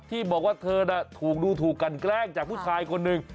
ที่บอกว่าเธอน่ะถูกดูถูกกันแกล้งจากผู้ชายคนหนึ่ง